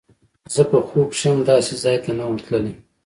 زه په خوب کښې هم داسې ځاى ته نه وم تللى.